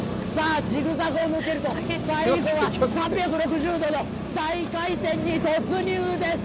ジグザグを抜けると最後は３６０度の大回転に突入です。